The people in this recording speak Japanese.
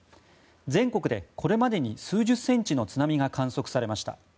全国でこれまでに数十センチの津波が観測されました。